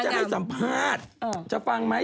จะให้สัมภาษณ์จะฟังไหม